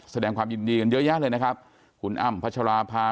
แสดงความยินดีกันเยอะแยะเลยนะครับคุณอ้ำพัชราภา